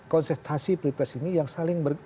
konsentrasi pilpres ini yang saling